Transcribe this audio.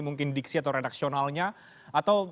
mungkin diksi atau redaksionalnya atau